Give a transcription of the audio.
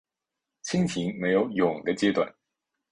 蜻蜓没有蛹的阶段。